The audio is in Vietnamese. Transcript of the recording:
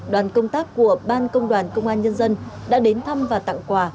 đoàn công tác của ban công đoàn công an nhân dân đã đến thăm và tặng quà